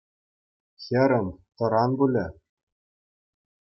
Хӗрӗм, тӑран пулӗ.